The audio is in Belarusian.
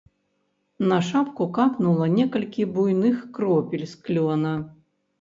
На шапку капнула некалькі буйных кропель з клёна.